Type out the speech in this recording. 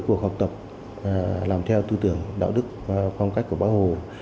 cuộc học tập làm theo tư tưởng đạo đức phong cách của bác hồ